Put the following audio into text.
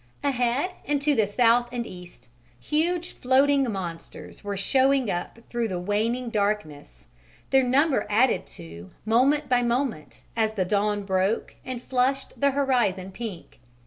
Ahead and to the south and east huge floating monsters were showing up through the waning darkness, their number added to moment by moment as the dawn broke and flushed the horizon pink.